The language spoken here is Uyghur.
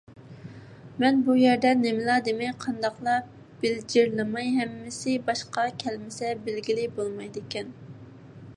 مەن بۇ يەردە نېمىلا دېمەي، قانداقلا بىلجىرلىماي، ھەممىسى باشقا كەلمىسە بىلگىلى بولمايدىكەن.